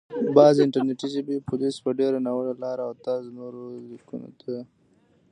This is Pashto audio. بعضي انټرنټي ژبني پوليس په ډېره ناوړه لاره او طرز نورو ليکونکو ته